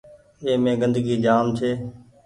اي مين گندگي جآم ڇي۔